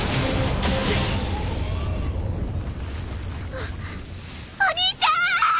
あっお兄ちゃん！